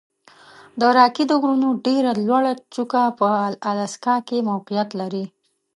د راکي د غرونو ډېره لوړه څوکه په الاسکا کې موقعیت لري.